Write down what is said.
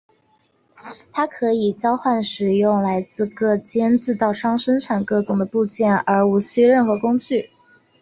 它可以交换使用来自各间制造商生产各种的部件而且无需任何的工具。